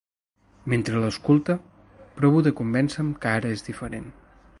Mentre l'ausculta provo de convènce'm que ara és diferent.